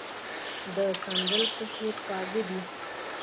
د سندل په څېر خواږه دي.